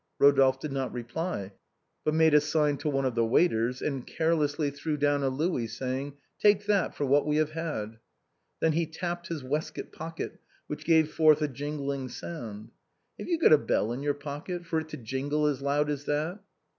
Eodolphe did not reply, but made a sign to one of the waiters, and carelessly threw down a louis, saying: " Take that for what we have had." Then ho tapped his waistcoat pocket, which gave forth a jingling sound. " Have you got a bell in your pocket, for it to jingle as loud as that?"